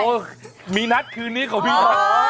โอ๊ยมีนัดคืนนี้ของพี่